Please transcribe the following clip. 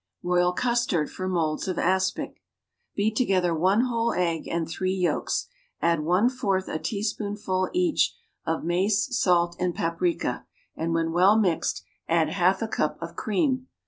=Royal Custard for Moulds of Aspic.= Beat together one whole egg and three yolks; add one fourth a teaspoonful, each, of mace, salt and paprica, and, when well mixed, add half a cup of cream.